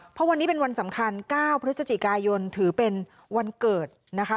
เพราะวันนี้เป็นวันสำคัญ๙พฤศจิกายนถือเป็นวันเกิดนะคะ